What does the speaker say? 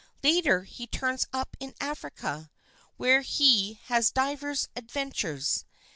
Later, he turns up in Africa, where he has divers adventures.